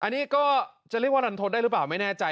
อันนี้ก็จะเรียกว่ารันทนได้หรือเปล่าไม่แน่ใจ